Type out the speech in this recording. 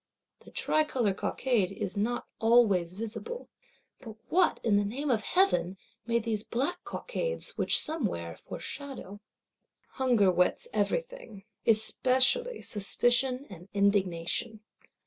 The tricolor cockade is not always visible: but what, in the name of Heaven, may these black cockades, which some wear, foreshadow? Hunger whets everything, especially Suspicion and Indignation.